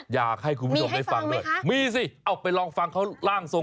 อยากให้คุณผู้ชมได้ฟังด้วยมีสิเอาไปลองฟังเขาร่างทรง